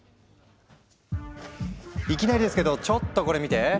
いきなりですけどちょっとこれ見て。